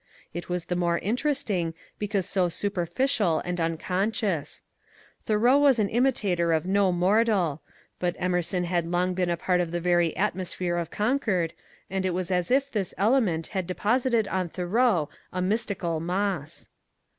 It was the more interesting because so superficial and unconscious. Thoreau was an imitator of no mortal ; but Emerson had long been a part of the very atmos phere of Concord, and it was as if this element had deposited on Thoreau a mystical moss.